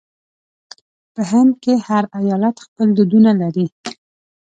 په هند کې هر ایالت خپل دودونه لري.